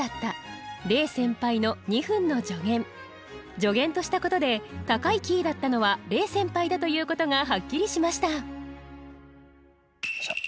「助言」としたことで高いキーだったのは黎先輩だということがはっきりしました。